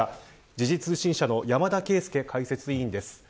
時事通信社の山田惠資解説委員です。